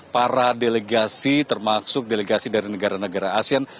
para delegasi termasuk delegasi dari negara negara asean